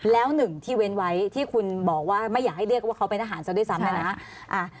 แล้วหนึ่งที่เว้นไว้ที่คุณบอกว่าไม่อยากให้เรียกว่าเขาเป็นทหารซะด้วยซ้ำเนี่ยนะ